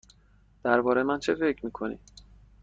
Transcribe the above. درباره من چه فکر می کنی؟